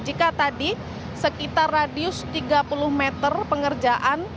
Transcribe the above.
jika tadi sekitar radius tiga puluh meter pengerjaan